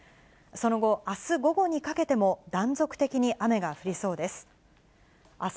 その後、あす午後にかけても、断続的に雨が降りそうです。